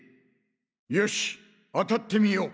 よし当たってみよう。